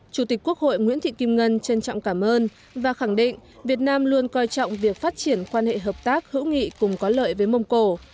chủ tịch quốc hội nguyễn thị kim ngân trân trọng cảm ơn và khẳng định việt nam luôn coi trọng việc phát triển quan hệ hợp tác hữu nghị cùng có lợi với mông cổ